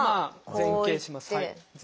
前傾します。